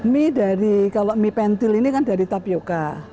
mie dari kalau mie pentil ini kan dari tapioca